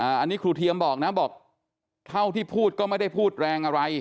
อันนี้ครูเทียมบอกนะบอกเท่าที่พูดก็ไม่ได้พูดแรงอะไร